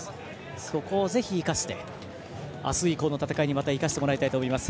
そこをぜひ、生かしてあす以降の戦いにまた生かしてもらいたいと思います。